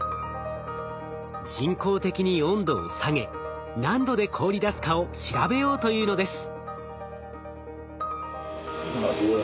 人工的に温度を下げ何度で凍りだすかを調べようというのです。